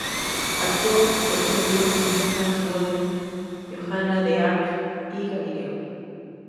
Actuó, por ejemplo, en Ninfa, Golem, Johana de Ark y Galileo.